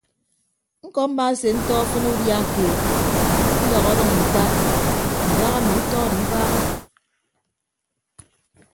Ñkọ mmaasentọ ọfʌñ udia keed ndọk ọdʌñ ita idaha emi utọ odo ibaaha.